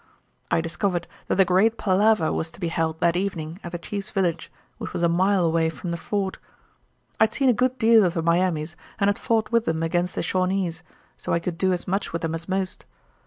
I discovered that a great palaver was to be held that evening at the chief's village, which was a mile away from the fort. "I'd seen a good deal of the Miamis and had fought with 'em against the Shawnees, so I could do as much with 'em as most.